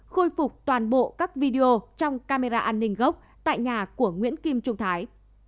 khôi phục toàn bộ các video trong camera an ninh gốc tại nhà của nguyễn kim trung thái